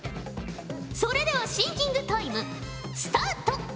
それではシンキングタイムスタート。